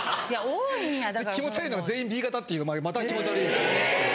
気持ち悪いのが全員Ｂ型っていうまた気持ち悪い感じなんですけど。